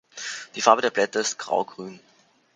Die Farbe der Blätter ist grau-grün.